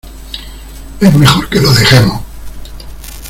es mejor que lo dejemos